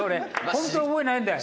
本当に覚えてないんだよ」